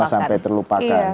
jangan sampai terlupakan